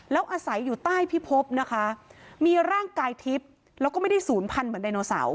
แล้วอาศัยอยู่ใต้พิพบนะคะมีร่างกายทิพย์แล้วก็ไม่ได้ศูนย์พันธุ์เหมือนไดโนเสาร์